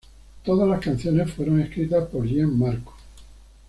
Todas las canciones fueron escritas por Gian Marco.